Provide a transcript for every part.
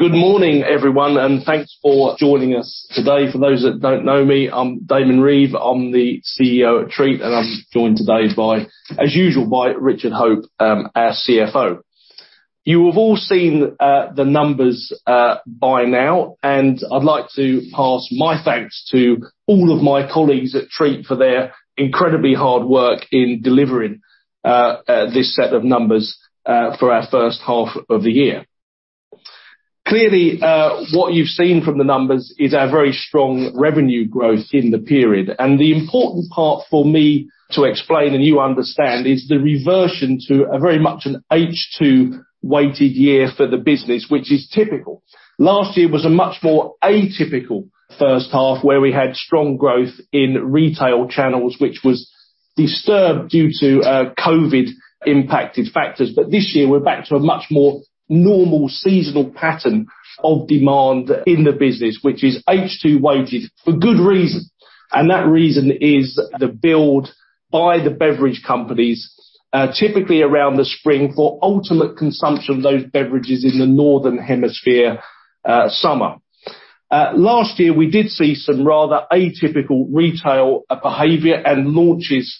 Good morning, everyone, and thanks for joining us today. For those that don't know me, I'm Daemmon Reeve. I'm the CEO at Treatt, and I'm joined today by, as usual, Richard Hope, our CFO. You have all seen the numbers by now, and I'd like to pass my thanks to all of my colleagues at Treatt for their incredibly hard work in delivering this set of numbers for our H1 of the year. Clearly, what you've seen from the numbers is our very strong revenue growth in the period. The important part for me to explain and you understand is the reversion to a very much an H2 weighted year for the business, which is typical. Last year was a much more atypical H1, where we had strong growth in retail channels, which was disturbed due to COVID impacted factors. This year, we're back to a much more normal seasonal pattern of demand in the business, which is H2 weighted for good reason. That reason is the build by the beverage companies, typically around the spring for ultimate consumption of those beverages in the Northern Hemisphere, summer. Last year, we did see some rather atypical retail, behavior and launches,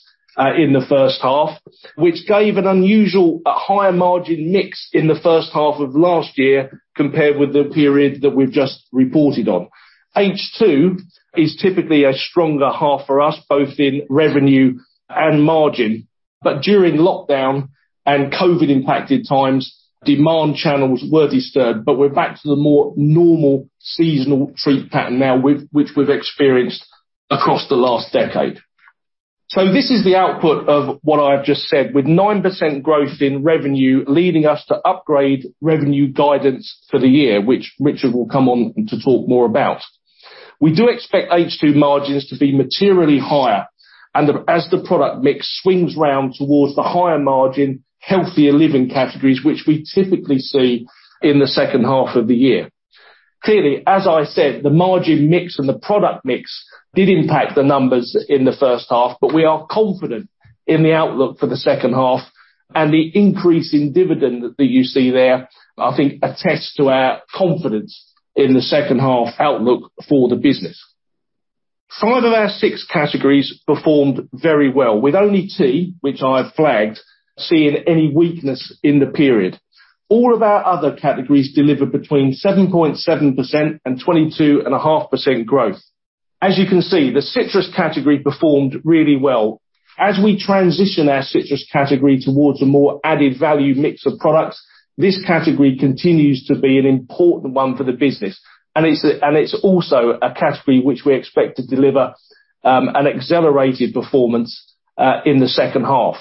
in the H1, which gave an unusual high margin mix in the H1 of last year compared with the period that we've just reported on. H2 is typically a stronger half for us, both in revenue and margin. During lockdown and COVID impacted times, demand channels were disturbed, but we're back to the more normal seasonal Treatt pattern now with, which we've experienced across the last decade. This is the output of what I have just said, with 9% growth in revenue leading us to upgrade revenue guidance for the year, which Richard will come on to talk more about. We do expect H2 margins to be materially higher. The, as the product mix swings round towards the higher margin, healthier living categories, which we typically see in the H2 of the year. Clearly, as I said, the margin mix and the product mix did impact the numbers in the H1, but we are confident in the outlook for the H2 and the increase in dividend that you see there. I think attests to our confidence in the H2 outlook for the business. Five of our six categories performed very well, with only tea, which I have flagged, seeing any weakness in the period. All of our other categories delivered between 7.7% and 22.5% growth. As you can see, the citrus category performed really well. As we transition our citrus category towards a more added value mix of products, this category continues to be an important one for the business. It's also a category which we expect to deliver an accelerated performance in the H2.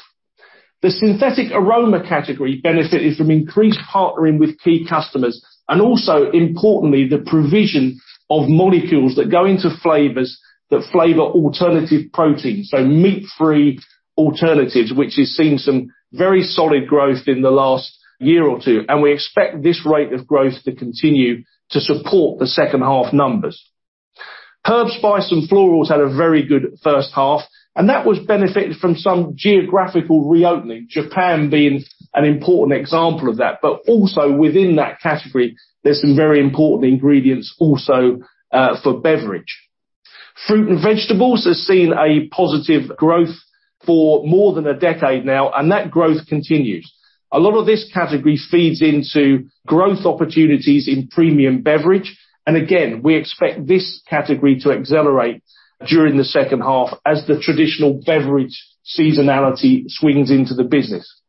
The synthetic aroma category benefited from increased partnering with key customers, and also importantly, the provision of molecules that go into flavors that flavor alternative proteins. Meat-free alternatives, which has seen some very solid growth in the last year or two. We expect this rate of growth to continue to support the H2 numbers. Herbs, spices, and florals had a very good H1, and that was benefited from some geographical reopening, Japan being an important example of that. Also within that category, there's some very important ingredients also for beverage. Fruit and vegetables has seen a positive growth for more than a decade now, and that growth continues. A lot of this category feeds into growth opportunities in premium beverage. We expect this category to accelerate during the H2 as the traditional beverage seasonality swings into the business.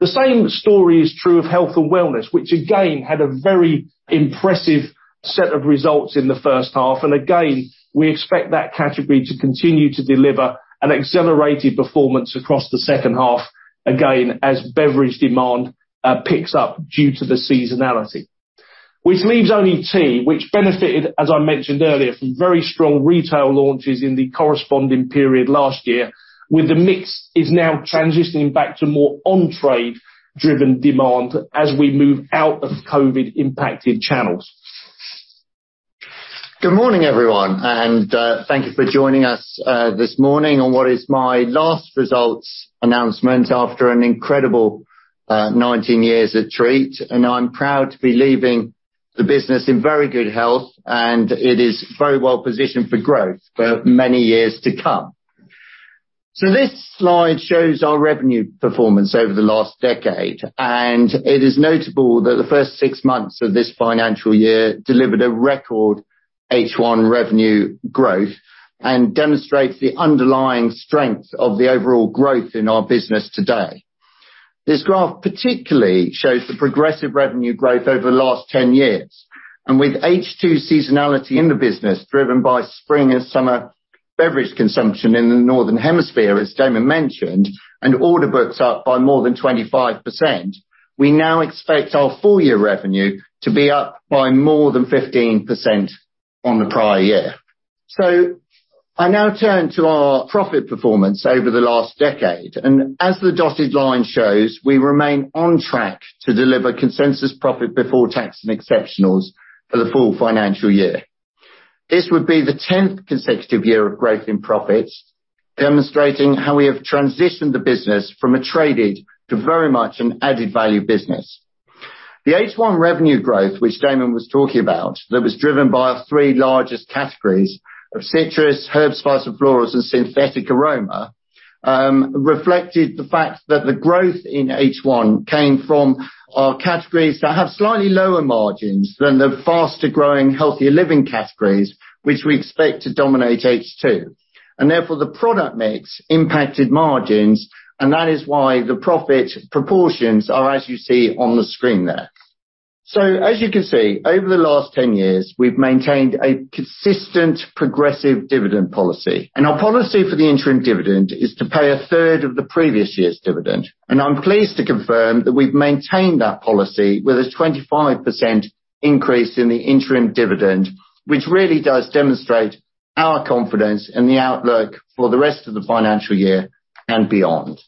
The same story is true of health and wellness, which again had a very impressive set of results in the H1. We expect that category to continue to deliver an accelerated performance across the H2, again, as beverage demand picks up due to the seasonality. Which leaves only tea, which benefited, as I mentioned earlier, from very strong retail launches in the corresponding period last year with the mix is now transitioning back to more on-trade driven demand as we move out of COVID impacted channels. Good morning, everyone, and thank you for joining us this morning on what is my last results announcement after an incredible 19 years at Treatt. I'm proud to be leaving the business in very good health, and it is very well positioned for growth for many years to come. This slide shows our revenue performance over the last decade, and it is notable that the first six months of this financial year delivered a record H1 revenue growth and demonstrates the underlying strength of the overall growth in our business today. This graph particularly shows the progressive revenue growth over the last 10 years, and with H2 seasonality in the business driven by spring and summer beverage consumption in the Northern Hemisphere, as Daemmon mentioned, and order books up by more than 25%, we now expect our full year revenue to be up by more than 15% on the prior year. I now turn to our profit performance over the last decade. As the dotted line shows, we remain on track to deliver consensus profit before tax and exceptionals for the full financial year. This would be the 10th consecutive year of growth in profits, demonstrating how we have transitioned the business from a traded to very much an added value business. The H1 revenue growth, which Daemmon was talking about, that was driven by our three largest categories of citrus, herbs, spices, and florals and synthetic aroma, reflected the fact that the growth in H1 came from our categories that have slightly lower margins than the faster-growing, healthier living categories, which we expect to dominate H2. Therefore, the product mix impacted margins, and that is why the profit proportions are as you see on the screen there. As you can see, over the last 10 years, we've maintained a consistent progressive dividend policy, and our policy for the interim dividend is to pay a third of the previous year's dividend. I'm pleased to confirm that we've maintained that policy with a 25% increase in the interim dividend, which really does demonstrate our confidence in the outlook for the rest of the financial year and beyond.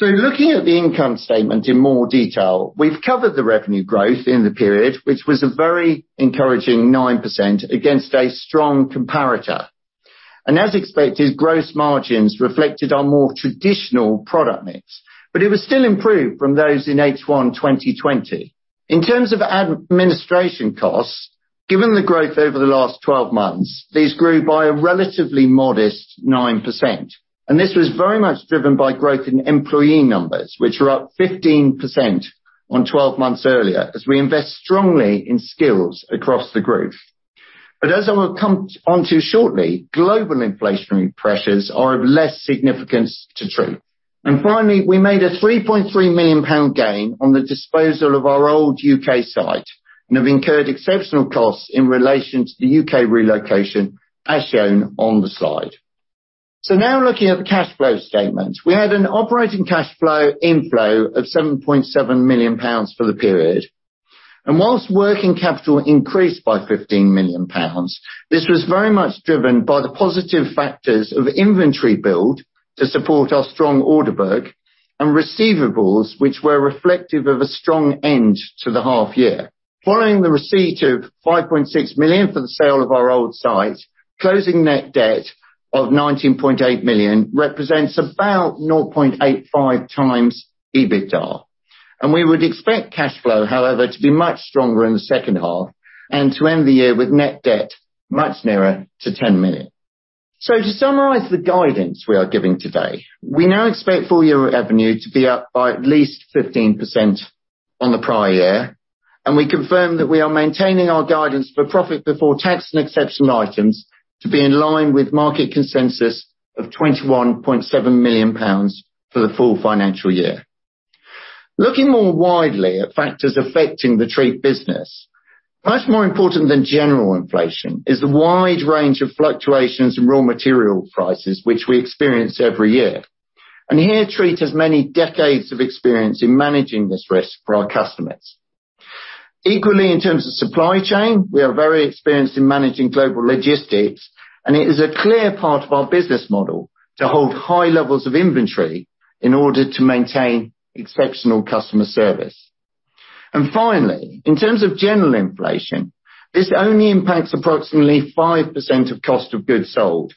Looking at the income statement in more detail, we've covered the revenue growth in the period, which was a very encouraging 9% against a strong comparator. As expected, gross margins reflected a more traditional product mix, but it was still improved from those in H1 2020. In terms of administration costs, given the growth over the last 12 months, these grew by a relatively modest 9%. This was very much driven by growth in employee numbers, which were up 15% on 12 months earlier, as we invest strongly in skills across the group. As I will come onto shortly, global inflationary pressures are of less significance to Treatt. Finally, we made a 3.3 million pound gain on the disposal of our old U.K. site, and have incurred exceptional costs in relation to the U.K. relocation, as shown on the slide. Now looking at the cash flow statement. We had an operating cash flow inflow of 7.7 million pounds for the period. Whilst working capital increased by 15 million pounds, this was very much driven by the positive factors of inventory build to support our strong order book and receivables, which were reflective of a strong end to the half year. Following the receipt of 5.6 million for the sale of our old site, closing net debt of 19.8 million represents about 0.85x EBITDA. We would expect cash flow, however, to be much stronger in the H2 and to end the year with net debt much nearer to 10 million. To summarize the guidance we are giving today, we now expect full year revenue to be up by at least 15% on the prior year, and we confirm that we are maintaining our guidance for profit before tax and exceptional items to be in line with market consensus of 21.7 million pounds for the full financial year. Looking more widely at factors affecting the Treatt business, much more important than general inflation is the wide range of fluctuations in raw material prices, which we experience every year. Here, Treatt has many decades of experience in managing this risk for our customers. Equally, in terms of supply chain, we are very experienced in managing global logistics, and it is a clear part of our business model to hold high levels of inventory in order to maintain exceptional customer service. Finally, in terms of general inflation, this only impacts approximately 5% of cost of goods sold,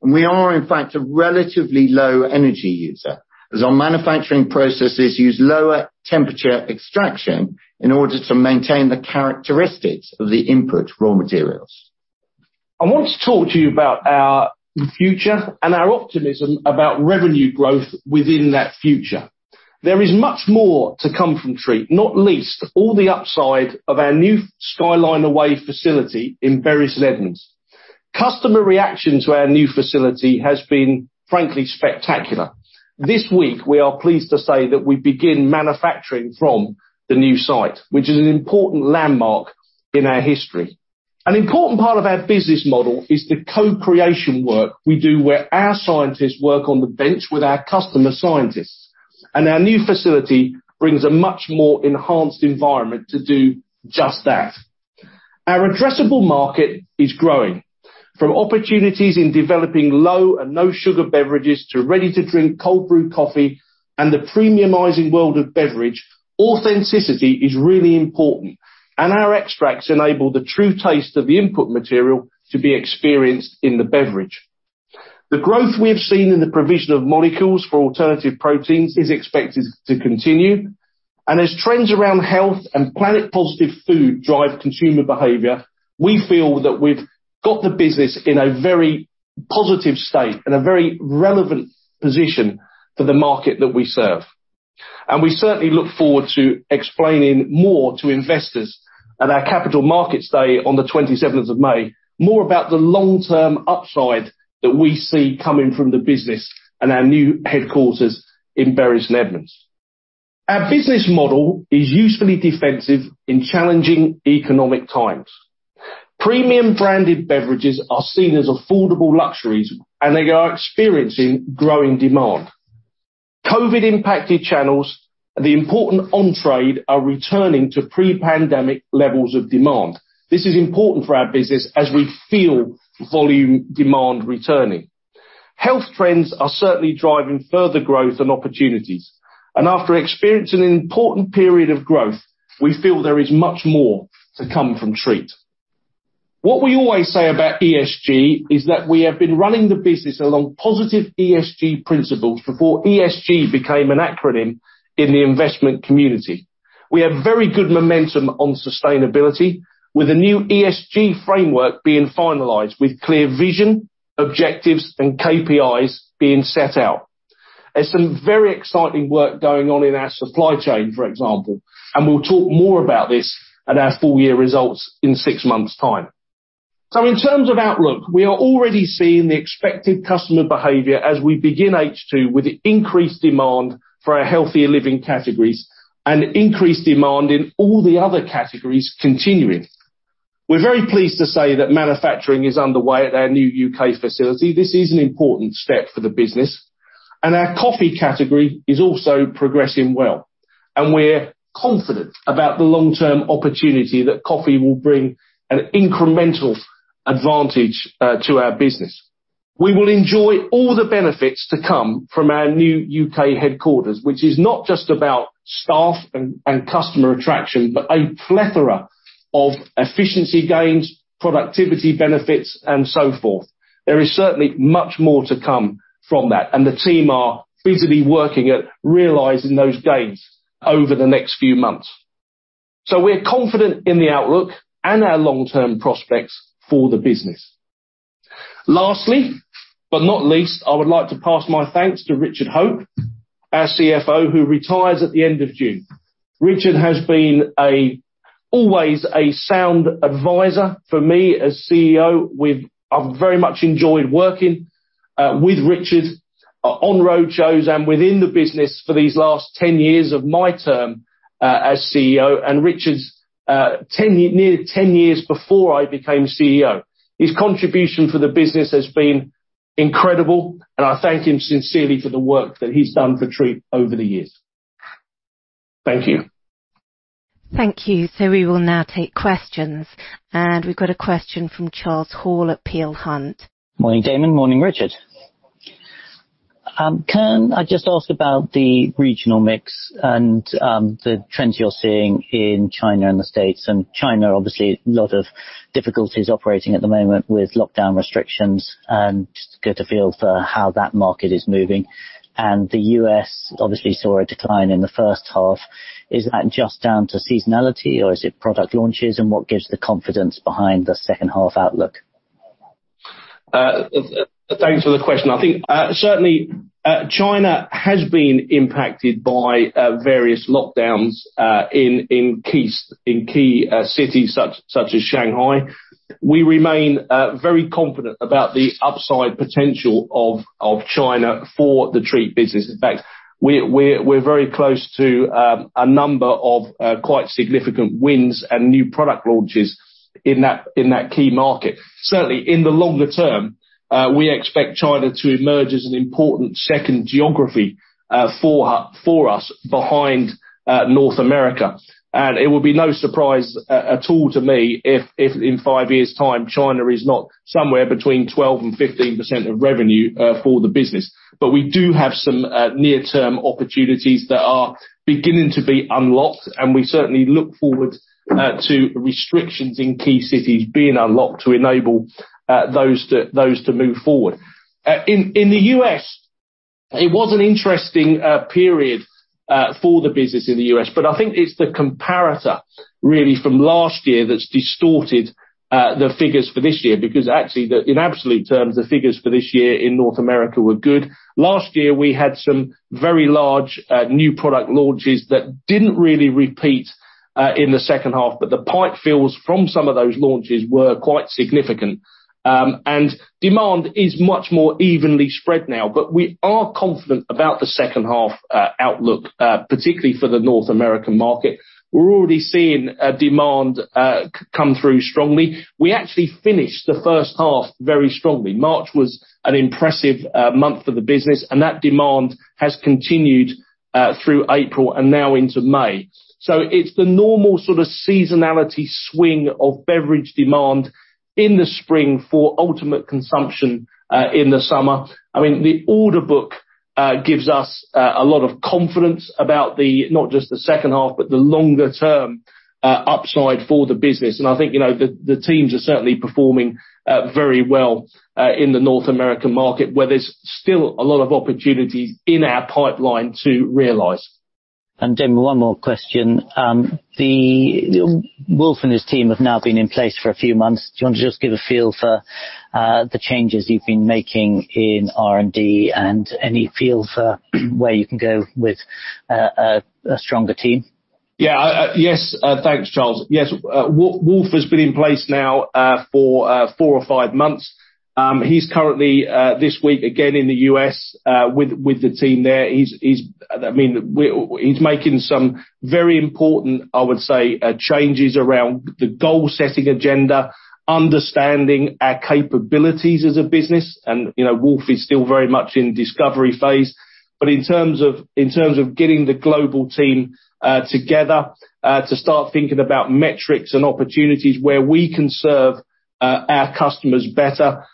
and we are in fact a relatively low energy user, as our manufacturing processes use lower temperature extraction in order to maintain the characteristics of the input raw materials. I want to talk to you about our future and our optimism about revenue growth within that future. There is much more to come from Treatt, not least all the upside of our new Skyliner Way facility in Bury St Edmunds. Customer reaction to our new facility has been, frankly, spectacular. This week, we are pleased to say that we begin manufacturing from the new site, which is an important landmark in our history. An important part of our business model is the co-creation work we do where our scientists work on the bench with our customer scientists, and our new facility brings a much more enhanced environment to do just that. Our addressable market is growing. From opportunities in developing low and no sugar beverages to ready-to-drink cold brew coffee and the premiumizing world of beverage, authenticity is really important, and our extracts enable the true taste of the input material to be experienced in the beverage. The growth we have seen in the provision of molecules for alternative proteins is expected to continue. As trends around health and planet positive food drive consumer behavior, we feel that we've got the business in a very positive state and a very relevant position for the market that we serve. We certainly look forward to explaining more to investors at our capital markets day on the twenty-seventh of May, more about the long-term upside that we see coming from the business and our new headquarters in Bury St Edmunds. Our business model is usefully defensive in challenging economic times. Premium branded beverages are seen as affordable luxuries, and they are experiencing growing demand. COVID impacted channels and the important on trade are returning to pre-pandemic levels of demand. This is important for our business as we feel volume demand returning. Health trends are certainly driving further growth and opportunities. After experiencing an important period of growth, we feel there is much more to come from Treatt. What we always say about ESG is that we have been running the business along positive ESG principles before ESG became an acronym in the investment community. We have very good momentum on sustainability with a new ESG framework being finalized with clear vision, objectives, and KPIs being set out. There's some very exciting work going on in our supply chain, for example, and we'll talk more about this at our full year results in six months' time. In terms of outlook, we are already seeing the expected customer behavior as we begin H2 with increased demand for our healthier living categories and increased demand in all the other categories continuing. We're very pleased to say that manufacturing is underway at our new U.K. facility. This is an important step for the business, and our coffee category is also progressing well. We're confident about the long-term opportunity that coffee will bring an incremental advantage to our business. We will enjoy all the benefits to come from our new U.K. headquarters, which is not just about staff and customer attraction, but a plethora of efficiency gains, productivity benefits, and so forth. There is certainly much more to come from that, and the team are busily working at realizing those gains over the next few months. We're confident in the outlook and our long-term prospects for the business. Lastly, but not least, I would like to pass my thanks to Richard Hope, our CFO, who retires at the end of June. Richard has been always a sound advisor for me as CEO. I've very much enjoyed working with Richard on road shows and within the business for these last 10 years of my term as CEO, and Richard's near 10 years before I became CEO. His contribution for the business has been incredible, and I thank him sincerely for the work that he's done for Treatt over the years. Thank you. Thank you. We will now take questions. We've got a question from Charles Hall at Peel Hunt. Morning, Daemmon. Morning, Richard. Can I just ask about the regional mix and the trends you're seeing in China and the States? China, obviously, a lot of difficulties operating at the moment with lockdown restrictions and just get a feel for how that market is moving. The U.S. obviously saw a decline in the H1. Is that just down to seasonality, or is it product launches, and what gives the confidence behind the H2 outlook? Thanks for the question. I think certainly China has been impacted by various lockdowns in key cities such as Shanghai. We remain very confident about the upside potential of China for the Treatt business. In fact, we're very close to a number of quite significant wins and new product launches in that key market. Certainly, in the longer term, we expect China to emerge as an important second geography for us behind North America. It will be no surprise at all to me if in five years' time, China is not somewhere between 12% and 15% of revenue for the business. We do have some near-term opportunities that are beginning to be unlocked, and we certainly look forward to restrictions in key cities being unlocked to enable those to move forward. In the U.S., it was an interesting period for the business in the U.S. I think it's the comparator really from last year that's distorted the figures for this year, because actually, in absolute terms, the figures for this year in North America were good. Last year, we had some very large new product launches that didn't really repeat in the H2, but the pipeline fills from some of those launches were quite significant. Demand is much more evenly spread now. We are confident about the H2 outlook, particularly for the North American market. We're already seeing demand come through strongly. We actually finished the H1 very strongly. March was an impressive month for the business, and that demand has continued through April and now into May. It's the normal sort of seasonality swing of beverage demand in the spring for ultimate consumption in the summer. I mean, the order book gives us a lot of confidence about not just the H2, but the longer term upside for the business. I think, you know, the teams are certainly performing very well in the North American market, where there's still a lot of opportunities in our pipeline to realize. Daemmon, one more question. The Wolf and his team have now been in place for a few months. Do you want to just give a feel for the changes you've been making in R&D and any feel for where you can go with a stronger team? Yeah, yes, thanks, Charles. Yes. Wolf has been in place now for four or five months. He's currently this week again in the U.S. with the team there. He's making some very important, I would say, changes around the goal-setting agenda, understanding our capabilities as a business. You know, Wolf is still very much in discovery phase. In terms of getting the global team together to start thinking about metrics and opportunities where we can serve our customers better,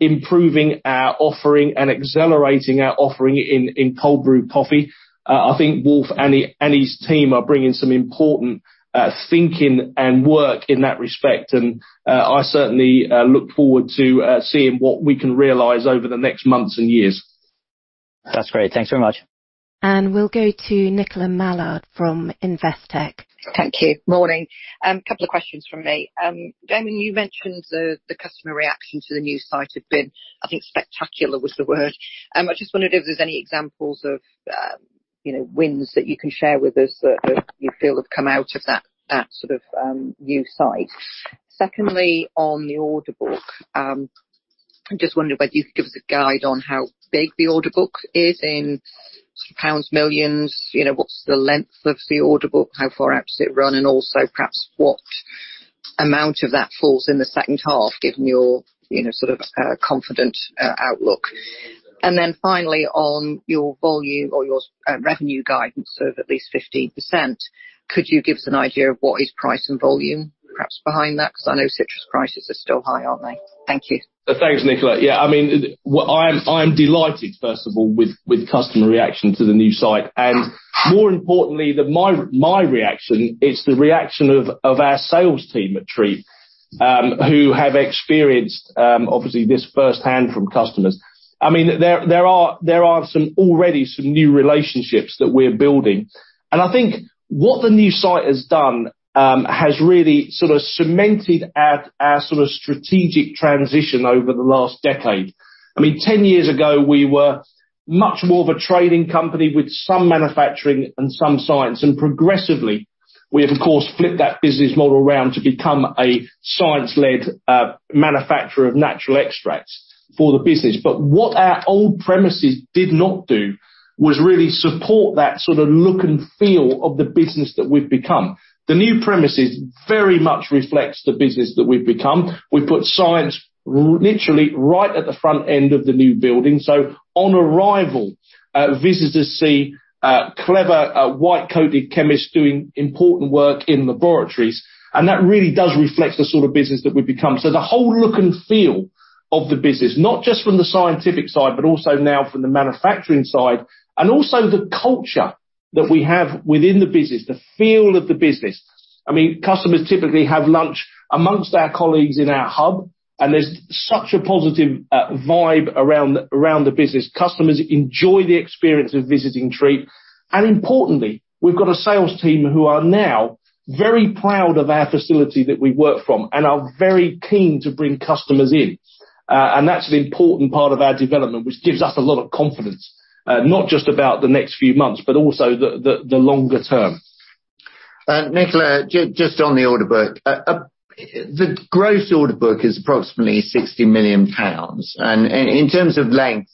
improving our offering and accelerating our offering in cold brew coffee. I think Wolf and his team are bringing some important thinking and work in that respect, and I certainly look forward to seeing what we can realize over the next months and years. That's great. Thanks very much. We'll go to Nicola Mallard from Investec. Thank you. Morning. A couple of questions from me. Daemmon, you mentioned the customer reaction to the new site had been, I think spectacular was the word. I just wondered if there's any examples of, you know, wins that you can share with us that you feel have come out of that sort of new site. Secondly, on the order book, just wondering whether you could give us a guide on how big the order book is in [pound] millions, you know, what's the length of the order book, how far out does it run, and also perhaps what amount of that falls in the H2, given your, you know, sort of confident outlook. And then finally on your volume or your revenue guidance of at least 15%, could you give us an idea of what is price and volume perhaps behind that? Because I know citrus prices are still high, aren't they? Thank you. Thanks, Nicola. Yeah, I mean, I am delighted first of all with customer reaction to the new site. More importantly, my reaction, it's the reaction of our sales team at Treatt, who have experienced obviously this firsthand from customers. I mean, there are already some new relationships that we're building. I think what the new site has done has really sort of cemented our sort of strategic transition over the last decade. I mean, 10 years ago, we were much more of a trading company with some manufacturing and some science, and progressively we have, of course, flipped that business model around to become a science-led manufacturer of natural extracts for the business. What our old premises did not do was really support that sort of look and feel of the business that we've become. The new premises very much reflects the business that we've become. We've put science literally right at the front end of the new building. On arrival, visitors see clever white-coated chemists doing important work in laboratories, and that really does reflect the sort of business that we've become. The whole look and feel of the business, not just from the scientific side, but also now from the manufacturing side, and also the culture that we have within the business, the feel of the business. I mean, customers typically have lunch amongst our colleagues in our hub, and there's such a positive vibe around the business. Customers enjoy the experience of visiting Treatt. Importantly, we've got a sales team who are now very proud of our facility that we work from and are very keen to bring customers in. That's an important part of our development, which gives us a lot of confidence, not just about the next few months, but also the longer term. Nicola, just on the order book. The gross order book is approximately 60 million pounds. In terms of length,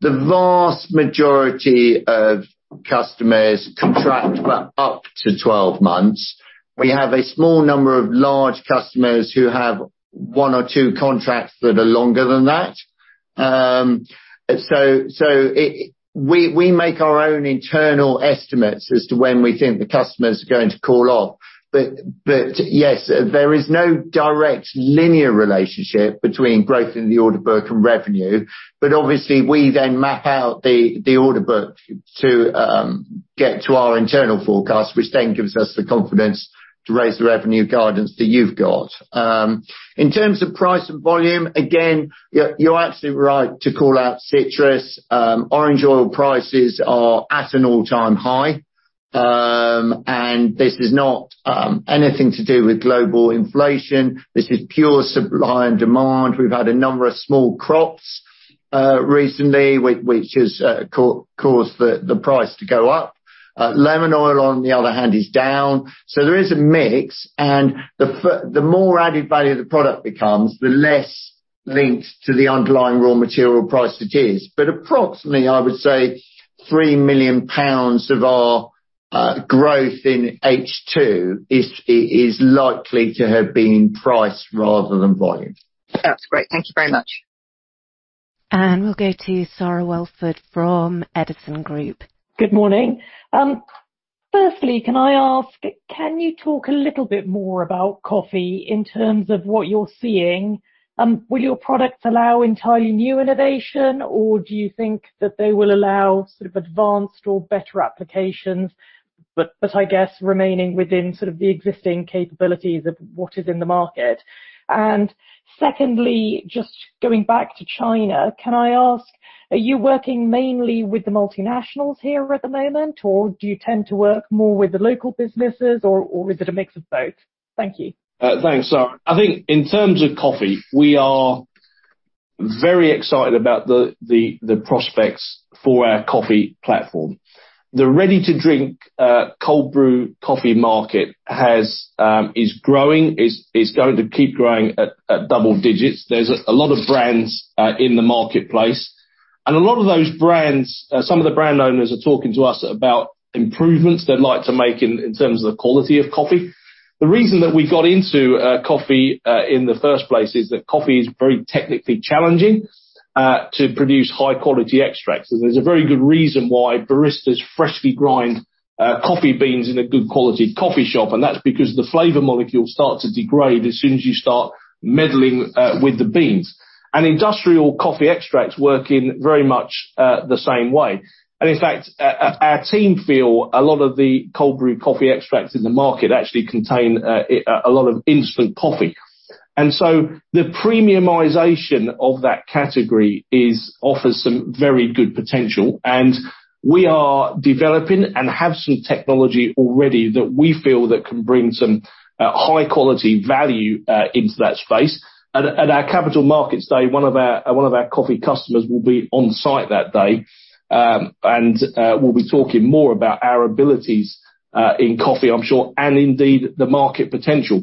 the vast majority of customers contract for up to 12 months. We have a small number of large customers who have one or two contracts that are longer than that. We make our own internal estimates as to when we think the customers are going to call off. Yes, there is no direct linear relationship between growth in the order book and revenue. Obviously we then map out the order book to get to our internal forecast, which then gives us the confidence to raise the revenue guidance that you've got. In terms of price and volume, again, you're absolutely right to call out citrus. Orange oil prices are at an all-time high. This is not anything to do with global inflation. This is pure supply and demand. We've had a number of small crops recently, which has caused the price to go up. Lemon oil on the other hand is down. There is a mix, and the more added value the product becomes, the less linked to the underlying raw material price it is. Approximately, I would say 3 million pounds of our growth in H2 is likely to have been price rather than volume. That's great. Thank you very much. We'll go to Sara Welford from Edison Group. Good morning. Firstly, can I ask, can you talk a little bit more about coffee in terms of what you're seeing? Will your products allow entirely new innovation, or do you think that they will allow sort of advanced or better applications, but I guess remaining within sort of the existing capabilities of what is in the market? Secondly, just going back to China, can I ask, are you working mainly with the multinationals here at the moment, or do you tend to work more with the local businesses or is it a mix of both? Thank you. Thanks, Sara. I think in terms of coffee, we are very excited about the prospects for our coffee platform. The ready-to-drink cold brew coffee market is growing and is going to keep growing at double digits. There's a lot of brands in the marketplace, and a lot of those brands, some of the brand owners are talking to us about improvements they'd like to make in terms of the quality of coffee. The reason that we got into coffee in the first place is that coffee is very technically challenging to produce high quality extracts. There's a very good reason why baristas freshly grind Coffee beans in a good quality coffee shop, and that's because the flavor molecules start to degrade as soon as you start meddling with the beans. Industrial coffee extracts work in very much the same way. In fact, our team feel a lot of the cold brew coffee extracts in the market actually contain a lot of instant coffee. The premiumization of that category offers some very good potential. We are developing and have some technology already that we feel that can bring some high quality value into that space. At our capital markets day, one of our coffee customers will be on site that day. We'll be talking more about our abilities in coffee, I'm sure, and indeed the market potential.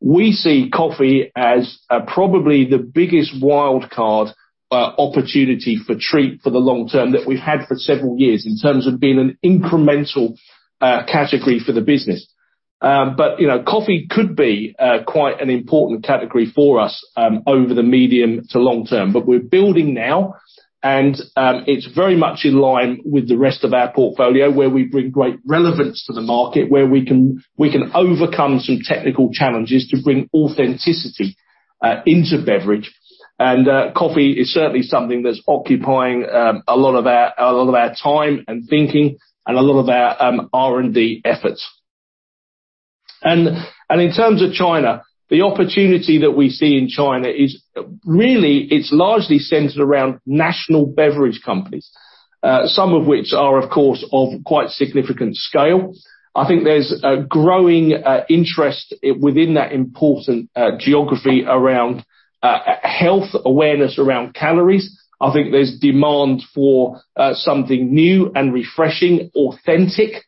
We see coffee as probably the biggest wild card opportunity for Treatt for the long term that we've had for several years in terms of being an incremental category for the business. You know, coffee could be quite an important category for us over the medium to long term. We're building now, and it's very much in line with the rest of our portfolio where we bring great relevance to the market, where we can overcome some technical challenges to bring authenticity into beverage. Coffee is certainly something that's occupying a lot of our time and thinking and a lot of our R&D efforts. In terms of China, the opportunity that we see in China is really, it's largely centered around national beverage companies, some of which are, of course, of quite significant scale. I think there's a growing interest within that important geography around health awareness around calories. I think there's demand for something new and refreshing, authentic,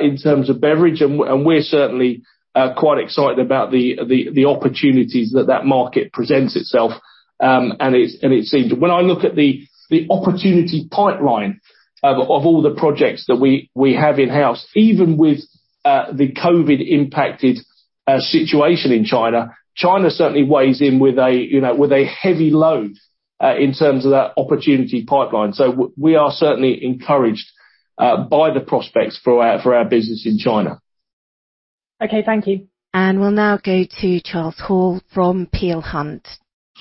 in terms of beverage. We're certainly quite excited about the opportunities that that market presents itself, and it seems, when I look at the opportunity pipeline of all the projects that we have in-house, even with the COVID-impacted situation in China certainly weighs in, you know, with a heavy load in terms of that opportunity pipeline. We are certainly encouraged by the prospects for our business in China. Okay, thank you. We'll now go to Charles Hall from Peel Hunt.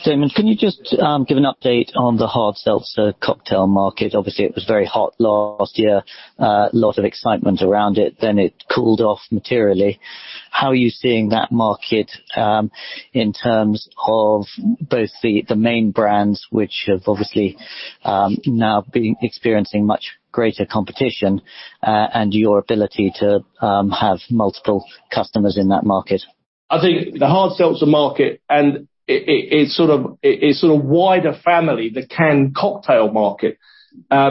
Daemmon, can you just give an update on the hard seltzer cocktail market? Obviously, it was very hot last year, lot of excitement around it, then it cooled off materially. How are you seeing that market, in terms of both the main brands, which have obviously now been experiencing much greater competition, and your ability to have multiple customers in that market. I think the hard seltzer market, and it sort of wider family, the canned cocktail market,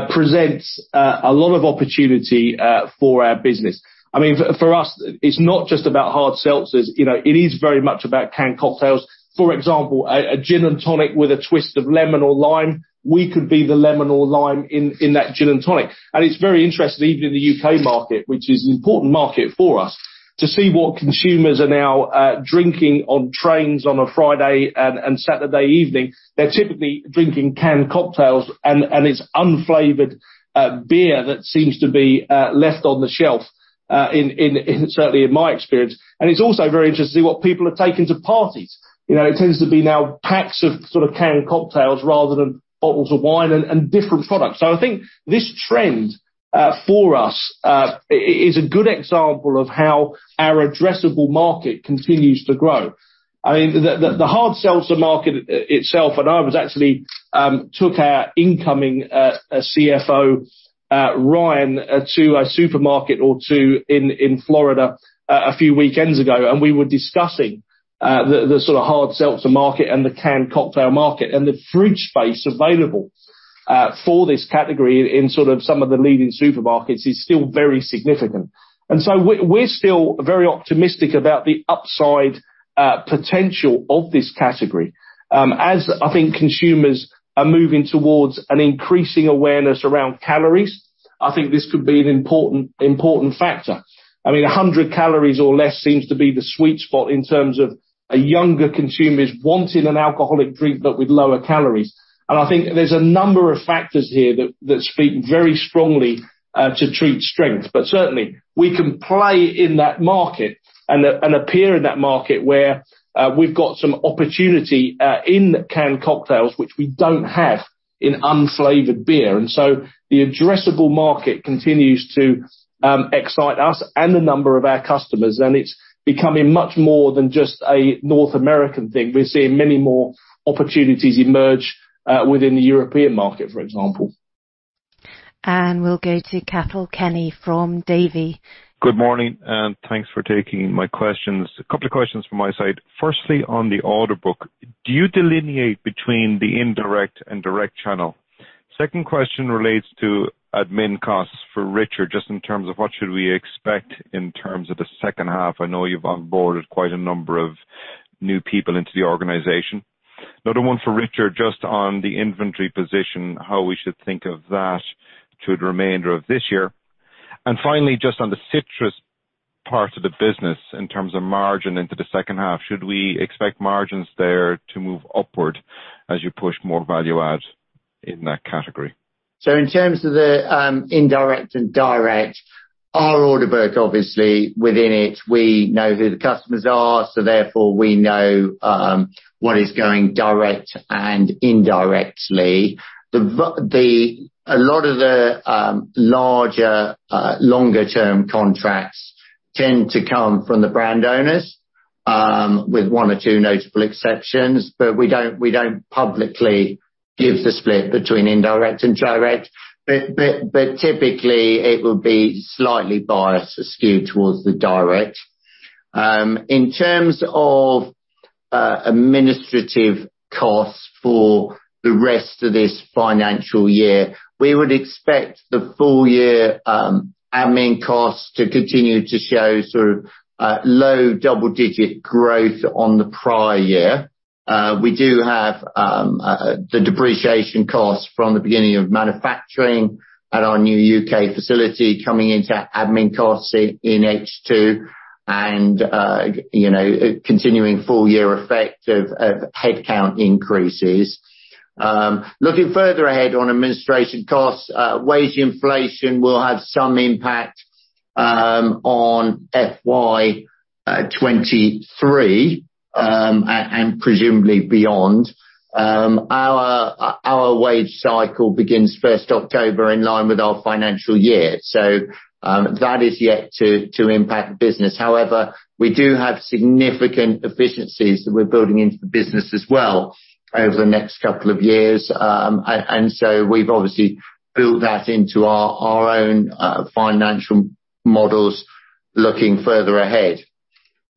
presents a lot of opportunity for our business. I mean, for us, it's not just about hard seltzers, you know, it is very much about canned cocktails. For example, a gin and tonic with a twist of lemon or lime, we could be the lemon or lime in that gin and tonic. It's very interesting, even in the U.K. market, which is an important market for us, to see what consumers are now drinking on trains on a Friday and Saturday evening. They're typically drinking canned cocktails and it's unflavored beer that seems to be left on the shelf, certainly in my experience. It's also very interesting what people are taking to parties. You know, it tends to be now packs of sort of canned cocktails rather than bottles of wine and different products. I think this trend for us is a good example of how our addressable market continues to grow. I mean, the hard seltzer market itself, and I actually took our incoming CFO, Ryan, to a supermarket or two in Florida a few weekends ago, and we were discussing the sort of hard seltzer market and the canned cocktail market. The fridge space available for this category in sort of some of the leading supermarkets is still very significant. We're still very optimistic about the upside potential of this category. As I think consumers are moving towards an increasing awareness around calories, I think this could be an important factor. I mean, 100 calories or less seems to be the sweet spot in terms of younger consumers wanting an alcoholic drink, but with lower calories. I think there's a number of factors here that speak very strongly to Treatt strength. Certainly, we can play in that market and appear in that market where we've got some opportunity in canned cocktails, which we don't have in unflavored beer. The addressable market continues to excite us and a number of our customers, and it's becoming much more than just a North American thing. We're seeing many more opportunities emerge within the European market, for example. We'll go to Cathal Kenny from Davy. Good morning, and thanks for taking my questions. A couple of questions from my side. Firstly, on the order book, do you delineate between the indirect and direct channel? Second question relates to admin costs for Richard, just in terms of what should we expect in terms of the second half. I know you've onboarded quite a number of new people into the organization. Another one for Richard, just on the inventory position, how we should think of that through the remainder of this year. Finally, just on the citrus part of the business in terms of margin into the H2, should we expect margins there to move upward as you push more value add in that category? In terms of the indirect and direct, our order book, obviously within it, we know who the customers are, so therefore we know what is going direct and indirectly. A lot of the larger longer term contracts tend to come from the brand owners with one or two notable exceptions. We don't publicly give the split between indirect and direct. Typically it will be slightly biased or skewed towards the direct. In terms of administrative costs for the rest of this financial year, we would expect the full year admin costs to continue to show sort of low double-digit growth on the prior year. We do have the depreciation costs from the beginning of manufacturing at our new U.K. facility coming into admin costs in H2 and you know continuing full year effect of headcount increases. Looking further ahead on administration costs, wage inflation will have some impact on FY 2023 and presumably beyond. Our wage cycle begins first October in line with our financial year, so that is yet to impact the business. However, we do have significant efficiencies that we're building into the business as well over the next couple of years and so we've obviously built that into our own financial models looking further ahead.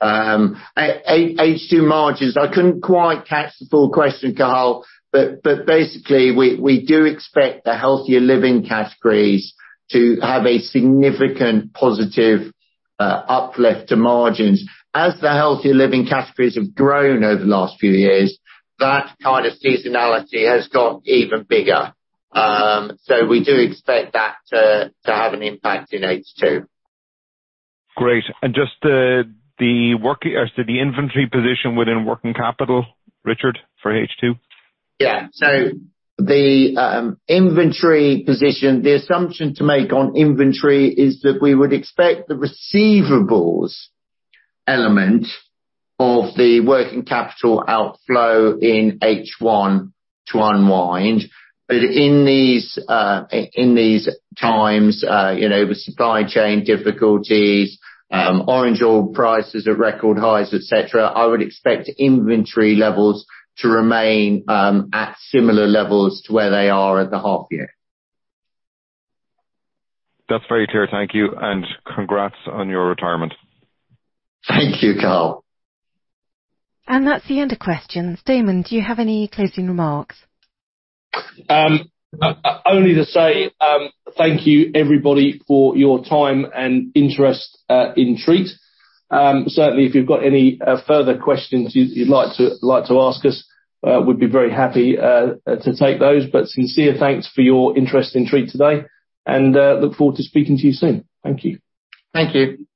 H2 margins, I couldn't quite catch the full question, Cathal, but basically we do expect the healthier living categories to have a significant positive uplift to margins. As the healthier living categories have grown over the last few years, that kind of seasonality has got even bigger. We do expect that to have an impact in H2. Great. Just the inventory position within working capital, Richard, for H2? The inventory position, the assumption to make on inventory is that we would expect the receivables element of the working capital outflow in H1 to unwind. In these times, you know, with supply chain difficulties, orange oil prices at record highs, et cetera, I would expect inventory levels to remain at similar levels to where they are at the half year. That's very clear. Thank you, and congrats on your retirement. Thank you, Cathal. That's the end of questions. Daemmon, do you have any closing remarks? Only to say thank you everybody for your time and interest in Treatt. Certainly, if you've got any further questions you'd like to ask us, we'd be very happy to take those. Sincere thanks for your interest in Treatt today, and look forward to speaking to you soon. Thank you. Thank you.